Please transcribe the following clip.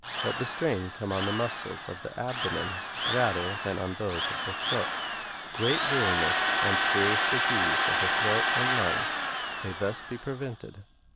Let the strain come on the muscles of the abdomen, rather than on those of the throat. Great weariness and serious dis ease of the throat and lungs may thus be prevented.